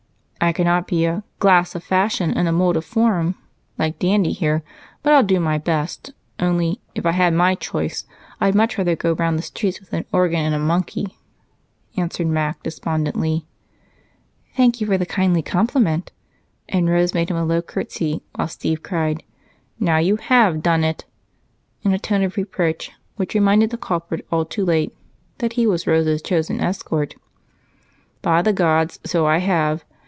"I cannot be a 'glass of fashion and a mold of form' like Dandy here, but I'll do my best: only, if I had my choice, I'd much rather go round the streets with an organ and a monkey," answered Mac despondently. "Thank you kindly for the compliment," and Rose made him a low courtesy, while Steve cried, "Now you have done it!" in a tone of reproach which reminded the culprit, all too late, that he was Rose's chosen escort. "By the gods, so I have!"